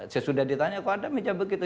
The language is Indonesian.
sesudah ditanya kok ada meja begitu